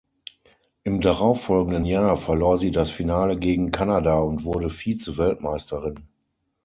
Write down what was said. Im darauffolgenden Jahr verlor sie das Finale gegen Kanada und wurde Vize-Weltmeisterin.